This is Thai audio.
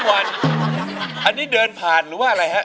อันนี้เดินผ่านหรือว่าอะไรฮะ